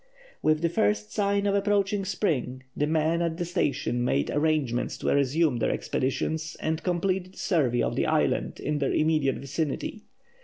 With the first sign of approaching spring the men at the station made arrangements to resume their expeditions and complete the survey of the islands in their immediate vicinity.